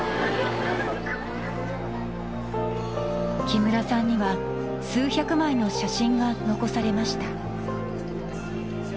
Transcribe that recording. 木村さんには数百枚の写真が残されました。